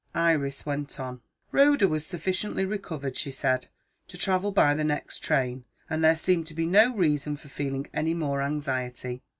Iris went on. "Rhoda was sufficiently recovered," she said, "to travel by the next train, and there seemed to be no reason for feeling any more anxiety.